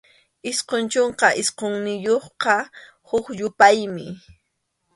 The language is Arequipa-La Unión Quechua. Isqun chunka isqunniyuqqa huk yupaymi.